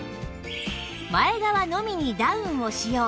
前側のみにダウンを使用